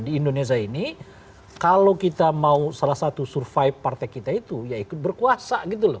di indonesia ini kalau kita mau salah satu survive partai kita itu ya ikut berkuasa gitu loh